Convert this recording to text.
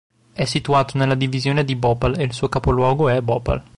È situato nella divisione di Bhopal e il suo capoluogo è Bhopal.